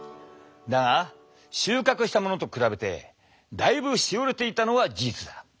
だが収穫したものと比べてだいぶしおれていたのは事実だ。